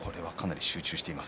かなり集中しています。